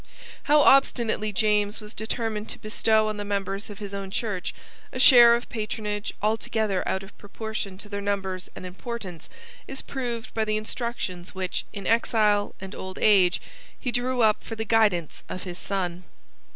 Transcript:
How obstinately James was determined to bestow on the members of his own Church a share of patronage altogether out of proportion to their numbers and importance is proved by the instructions which, in exile and old age, he drew up for the guidance of his son.